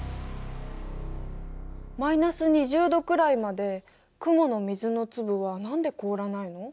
マイナス２０度くらいまで雲の水の粒は何で凍らないの？